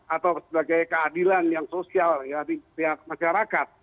atau sebagai keadilan yang sosial ya di pihak masyarakat